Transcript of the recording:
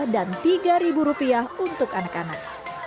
dan tiga rupiah untuk anak anak